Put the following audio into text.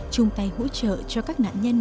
chung tay hỗ trợ cho các nạn nhân